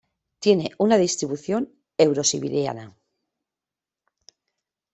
Tiene una distribución Eurosiberiana.